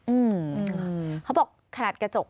อืมเขาบอกขนาดกระจก